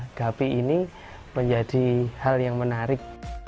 usaha gupi ini menjadi hal yang menarik